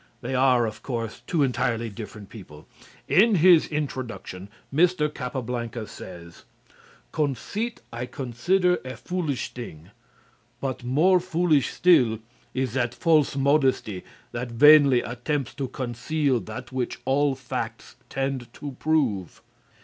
They are, of course, two entirely different people) in his introduction, Mr. Capablanca says: "Conceit I consider a foolish thing; but more foolish still is that false modesty that vainly attempts to conceal that which all facts tend to prove."